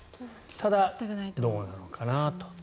ただ、どうなのかなと。